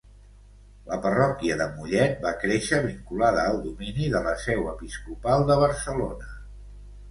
La parròquia de Mollet va créixer vinculada al domini de la seu episcopal de Barcelona.